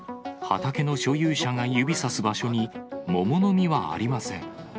畑の所有者が指さす場所に桃の実はありません。